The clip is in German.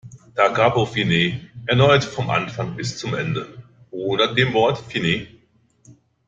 Da Capo al fine: Erneut von Anfang bis zum Ende oder dem Wort "fine".